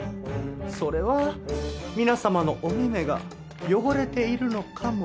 それは皆様のお目々が汚れているのかも。